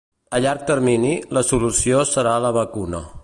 A llarg termini, la solució serà la vacuna.